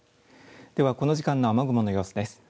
ではこの時間の雨雲の様子です。